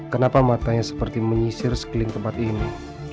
kenapa matanya seperti menyisir sekeliling tempat ini